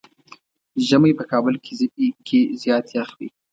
ژمی په کابل کې زيات يخ وي.